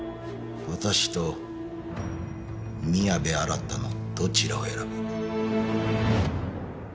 私と宮部新のどちらを選ぶ？